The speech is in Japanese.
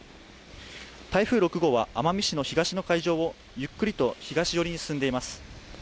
台風６号は奄美市の東の海上をゆっくりと東寄りに進んでいます